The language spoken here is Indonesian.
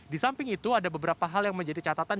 disamping itu ada beberapa hal yang menjadi catatan